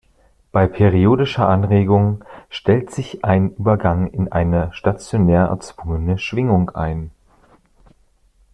Bei periodischer Anregung stellt sich ein Übergang in eine stationäre erzwungene Schwingung ein.